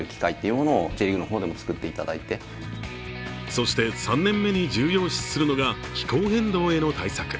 そして、３年目に重要視するのが、気候変動への対策。